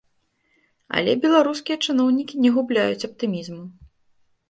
Але беларускія чыноўнікі не губляюць аптымізму.